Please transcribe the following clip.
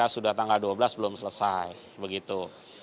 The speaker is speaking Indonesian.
sudah tanggal dua belas belum selesai begitu